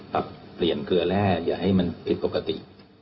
ปรับเปลี่ยนเกลือแร่อย่าให้มันผิดปกติ